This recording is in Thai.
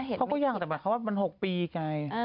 เขาก็ยังแต่เขาว่ามัน๖ปีไกล